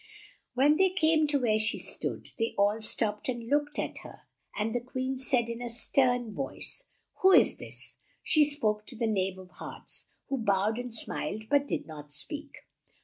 When they came to where she stood, they all stopped and looked at her, and the Queen said in a stern voice, "Who is this?" She spoke to the Knave of Hearts, who bowed and smiled but did not speak.